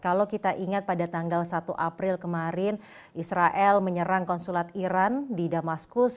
kalau kita ingat pada tanggal satu april kemarin israel menyerang konsulat iran di damaskus